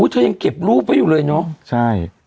เธอยังเก็บรูปเขาไปอยู่เลยเนอะ